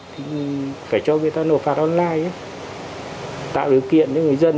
thì phải cho người ta nộp phạt online tạo điều kiện cho người dân